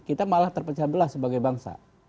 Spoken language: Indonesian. kita malah terpecah belah sebagai bangsa